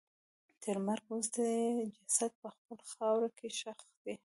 تر مرګ وروسته یې جسد په خپله خاوره کې ښخ شي.